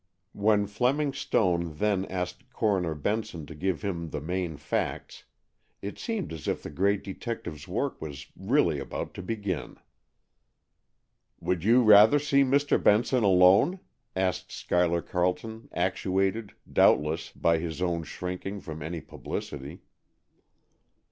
When Fleming Stone, then, asked Coroner Benson to give him the main facts, it seemed as if the great detective's work was really about to begin. "Would you rather see Mr. Benson alone?" asked Schuyler Carleton, actuated, doubtless, by his own shrinking from any publicity.